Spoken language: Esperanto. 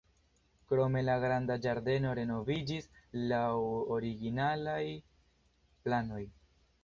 Krome la granda ĝardeno renoviĝis laŭ originalaj planoj.